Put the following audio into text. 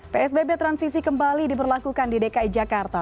psbb transisi kembali diberlakukan di dki jakarta